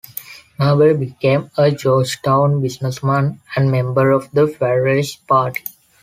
Marbury became a Georgetown businessman and member of the Federalist Party.